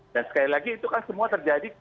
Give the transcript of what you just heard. dan sekali lagi itu kan semua terjadi